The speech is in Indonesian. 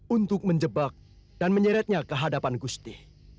untuk menjebak dan menyeretnya ke hadapan gusti